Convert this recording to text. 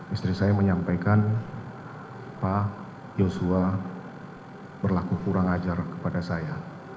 istri saya menyampaikan pak joshua berlaku kurang ajar kepada saya